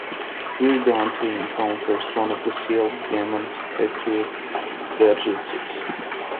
Here, Dante encounters one of sealed demon statues Vergil seeks.